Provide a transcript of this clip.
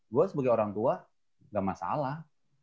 gue sebagai orang tua gak masalah